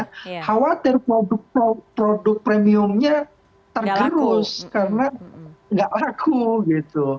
khawatir produk premiumnya tergerus karena nggak laku gitu